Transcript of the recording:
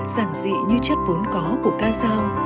giảng dị như chất vốn có của ca sao